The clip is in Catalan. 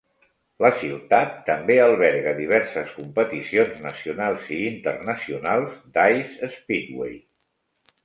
La ciutat també alberga diverses competicions nacionals i internacionals d'Ice Speedway.